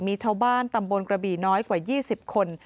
มีชาวบ้านตำบลกระบี่น้อยกว่า๒๐คน